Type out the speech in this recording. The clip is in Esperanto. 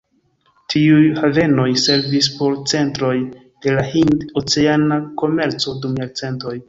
Tiuj havenoj servis por centroj de la hind-oceana komerco dum jarcentoj.